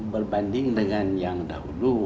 berbanding dengan yang dahulu